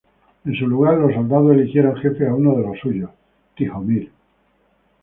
En su lugar, los soldados eligieron jefe a uno de los suyos, Tihomir.